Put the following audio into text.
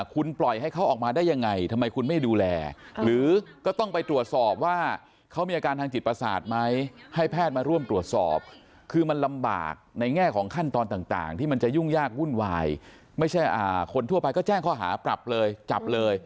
คุณปล่อยให้เขาออกมาได้ยังไงทำไมคุณไม่ดูแลหรือก็ต้องไปตรวจสอบว่าเขามีอาการทางจิตประสาทไหมให้แพทย์มาร่วมตรวจสอบคือมันลำบากในแง่ของขั้นตอนต่างที่มันจะยุ่งยากวุ่นวายไม่ใช่คนทั่วไปก็แจ้งข้อหาปรับเลยจับเลย